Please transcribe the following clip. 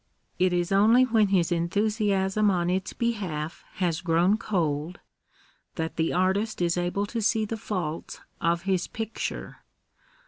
It is only when his enthusiasm on its behalf has grown cold, that the artist is able to see the faults of his picture.